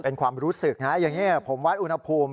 เป็นความรู้สึกนะอย่างนี้ผมวัดอุณหภูมิ